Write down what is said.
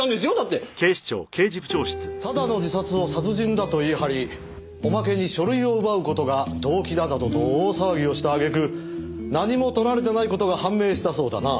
ただの自殺を殺人だと言い張りおまけに書類を奪う事が動機だなどと大騒ぎをした揚げ句何も盗られてない事が判明したそうだな。